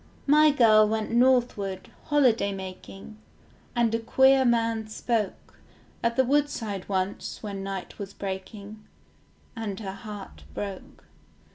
My girl went northward, holiday making, And a queer man spoke At the woodside once when night was breaking, And her heart broke.